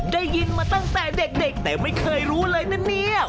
ได้ยินมาตั้งแต่เด็กแต่ไม่เคยรู้เลยนะเนี่ย